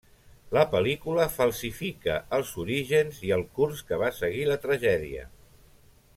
La pel·lícula falsifica els orígens i el curs que va seguir la tragèdia.